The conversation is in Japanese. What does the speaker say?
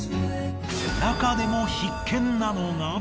なかでも必見なのが。